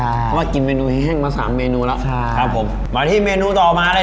เพราะว่ากินเมนูแห้งมาสามเมนูแล้วใช่ครับผมมาที่เมนูต่อมาเลย